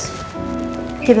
kita tinggalin dia